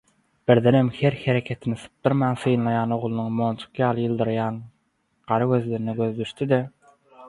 Birdenem her hereketini sypdyrman syünlaýan oglunyň monjuk ýaly ýyldyraýan gara gözlerine gözi düşdi-de